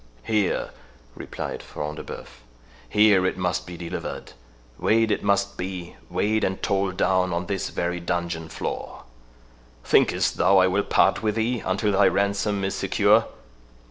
"Here," replied Front de Bœuf, "here it must be delivered—weighed it must be—weighed and told down on this very dungeon floor.—Thinkest thou I will part with thee until thy ransom is secure?"